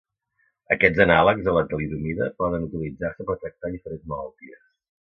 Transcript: Aquests anàlegs a la talidomida poden utilitzar-se per tractar diferents malalties.